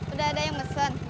udah ada yang pesen